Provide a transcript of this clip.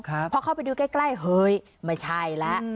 เพราะเข้าไปดูใกล้เฮ้ยไม่ใช่แล้ว